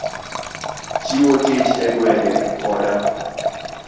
Chiwo tich e gwenge koda e